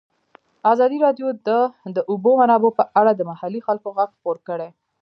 ازادي راډیو د د اوبو منابع په اړه د محلي خلکو غږ خپور کړی.